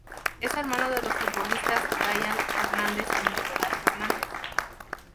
Es hermano de los futbolistas Brian Fernández y Nicolás Fernández.